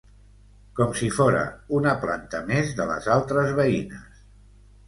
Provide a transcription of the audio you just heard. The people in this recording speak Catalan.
Com si fóra una planta més de les altres veïnes.